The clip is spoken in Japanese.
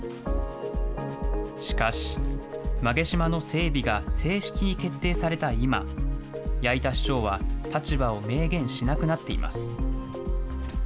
しかし、馬毛島の整備が正式に決定された今、八板市長は、立場を明言しなくなっています。